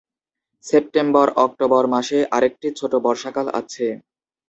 সেপ্টেম্বর-অক্টোবর মাসে আরেকটি ছোট বর্ষাকাল আছে।